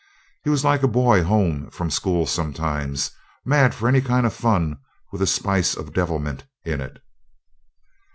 He was like a boy home from school sometimes mad for any kind of fun with a spice of devilment in it.